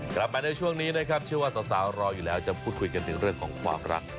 กลับมาในช่วงนี้นะครับเชื่อว่าสาวรออยู่แล้วจะพูดคุยกันถึงเรื่องของความรัก